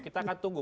kita akan tunggu